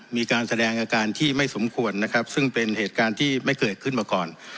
มีการแสดงอาการที่ไม่สมควรนะครับซึ่งเป็นเหตุการณ์ที่ไม่เกิดขึ้นมาก่อน